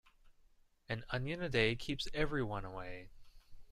An onion a day keeps everyone away.